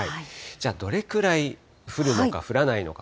じゃあ、どれくらい降るのか、降らないのか。